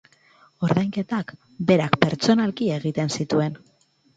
Ordainketak berak pertsonalki egiten zituen.